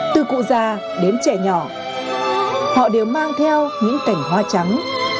từ cụ già đến trẻ nhỏ họ đều mang theo những cành hoa trắng